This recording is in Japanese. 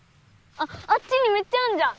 あっあっちにめっちゃあんじゃん！